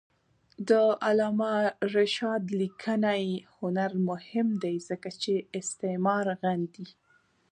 د علامه رشاد لیکنی هنر مهم دی ځکه چې استعمار غندي.